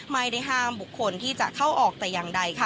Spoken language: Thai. ไม่ได้ห้ามบุคคลที่จะเข้าออกแต่อย่างใดค่ะ